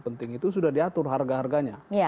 penting itu sudah diatur harga harganya